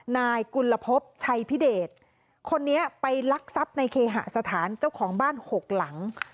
นายกุลภพชัยพิเดชคนนี้ไปลักทรัพย์ในเคหสถานเจ้าของบ้านหกหลัง